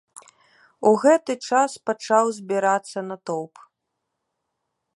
У гэты час пачаў збірацца натоўп.